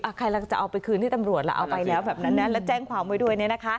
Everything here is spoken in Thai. อ่ะใครล่ะก็จะเอาไปคืนที่ตำรวจล่ะเอาไปแล้วแบบนั้นแล้วแจ้งความไว้ด้วย